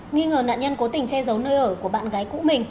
nghi ngờ nạn nhân cố tình che giấu nơi ở của bạn gái cũ mình